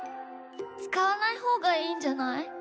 つかわないほうがいいんじゃない？